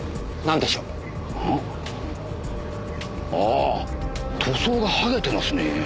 あぁ塗装がはげてますね。